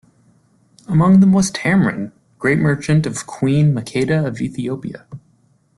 Among them was Tamrin, great merchant of Queen Makeda of Ethiopia.